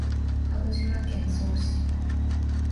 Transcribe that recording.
鹿児島県曽於市